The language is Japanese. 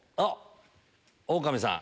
オオカミさん。